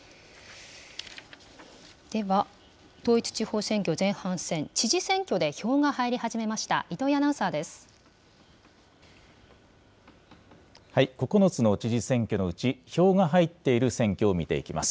では、統一地方選挙前半戦、知事選挙で票が入り始めました糸９つの知事選挙のうち、票が入っている選挙を見ていきます。